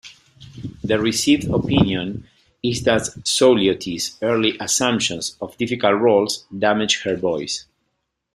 The received opinion is that Souliotis's early assumption of difficult roles damaged her voice.